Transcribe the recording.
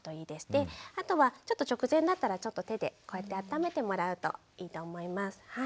であとはちょっと直前になったらちょっと手でこうやってあっためてもらうといいと思います。